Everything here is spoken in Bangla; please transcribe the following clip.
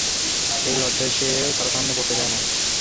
এই লজ্জায় সে কারো সামনে পড়তে চায় না।